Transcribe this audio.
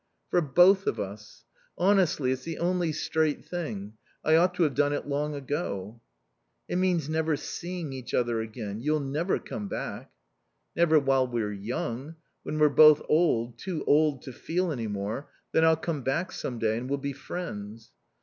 "For both of us. Honestly, it's the only straight thing. I ought to have done it long ago." "It means never seeing each other again. You'll never come back." "Never while we're young. When we're both old, too old to feel any more, then I'll come back some day, and we'll be friends."